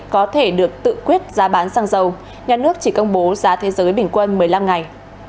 có thể được tự quyết giá bán xăng dầu nhà nước chỉ công bố giá thế giới bình quân một mươi năm ngày